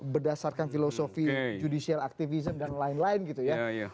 berdasarkan filosofi judicial activism dan lain lain gitu ya